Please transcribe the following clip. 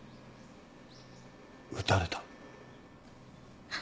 撃たれた？